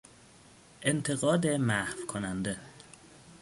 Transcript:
انتقاد محوکننده